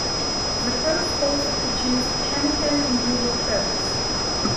The post also produced pemmican and York boats.